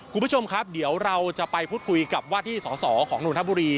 คุณผู้ชมครับเดี๋ยวเราจะไปพูดคุยกับว่าที่สอสอของนนทบุรี